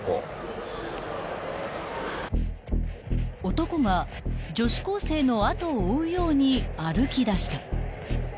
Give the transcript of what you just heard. ［男が女子高生の後を追うように歩きだした］